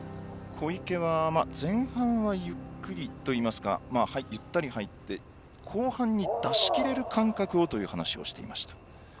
小池は前半はゆっくりというかゆったり入って後半に出しきれる感覚をという話をしていました。